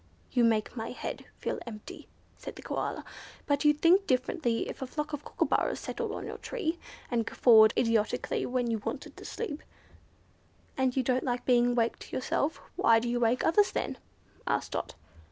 "You make my head feel empty," said the Koala. "But you'd think differently if a flock of Kookooburras settled on your tree, and guffawed idiotically when you wanted to sleep." "As you don't like being waked yourself, why do you wake others then?" asked Dot.